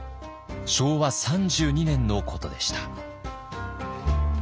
昭和３２年のことでした。